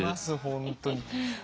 本当に。